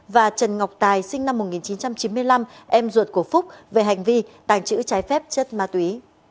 và trần ngọc tài sinh năm một nghìn chín trăm chín mươi năm em ruột của phúc về hành vi tàng trữ trái phép chất ma túy